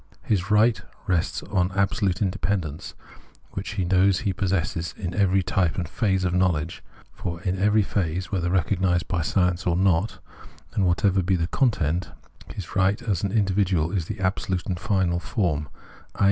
His right rests on his absolute independence, which he knows he possesses in every type and phase of know ledge ; for in every phase, whether recognised by science or not, and whatever be the content, his right as an 24 Phenomenology of Mind individual is the absolute and final form, i.